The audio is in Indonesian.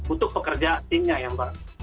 untuk pekerja timnya yang baru